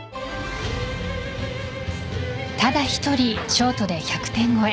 ただ１人ショートで１００点超え。